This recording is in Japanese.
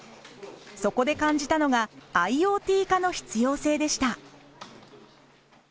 そこで感じたのがＩｏＴ化の必要性でした。